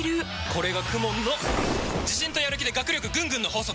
これがＫＵＭＯＮの自信とやる気で学力ぐんぐんの法則！